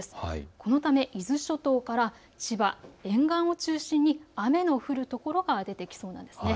このため伊豆諸島から千葉沿岸を中心に雨の降るところが出てきそうです。